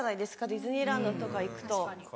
ディズニーランドとか行くと。